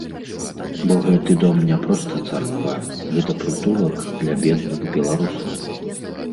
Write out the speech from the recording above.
Бо гэты дом не проста царква, гэта прытулак для бедных беларусаў.